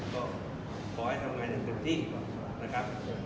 ก็ขอให้ทำงานอย่างเต็มที่นะครับ